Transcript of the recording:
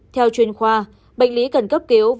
theo chuyên khoa bệnh lý cần cấp cứu